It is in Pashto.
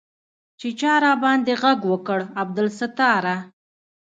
چې چا راباندې ږغ وکړ عبدالستاره.